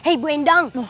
eh bu endang